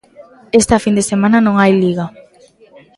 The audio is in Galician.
Esta fin de semana non hai Liga.